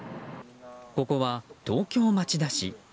ここは東京・町田市。